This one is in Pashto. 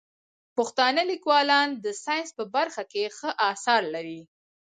پښتانه لیکوالان د ساینس په برخه کې ښه اثار لري.